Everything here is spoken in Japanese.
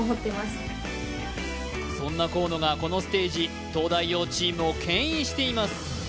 そんな河野がこのステージ東大王チームをけん引しています